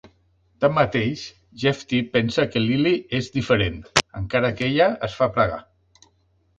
Tanmateix, Jefty pensa que Lily és "diferent", encara que ella es fa pregar.